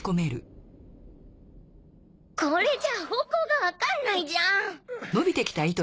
これじゃあ方向がわかんないじゃん。